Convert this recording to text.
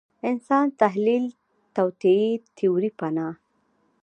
اسان تحلیل توطیې تیوري پناه